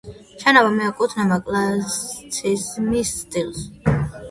შენობა მიეკუთვნება კლასიციზმის სტილს.